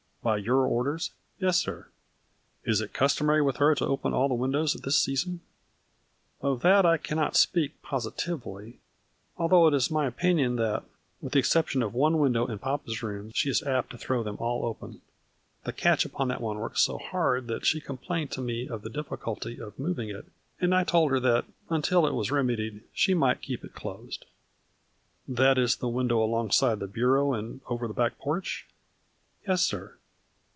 " By your orders ?"" Yes, sir." " Is it customary with her to open all the windows at this season ?"" Of that I cannot speak positively, although 44 A FLURRY IN DIAMONDS. it is my opinion that, with the exception of one window in papa's room, she is apt to throw them all open. The catch upon that one works so hard that she complained to me of the difficulty of moving it, and I told her that, until it was remedied, she might keep it closed." " That is the window alongside the bureau and over the back porch ?"" Yes, sir."